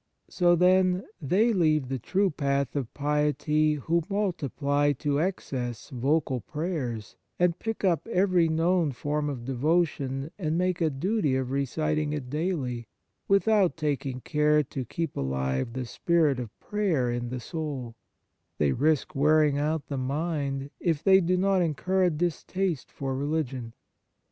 So, then, they leave the true path of piety who multiply to excess vocal prayers and pick up every known form of devotion and make a duty of reciting it daily, without taking care to keep alive the spirit of prayer in the soul : they risk wearing out the mind, if they do not incur a distaste for religion.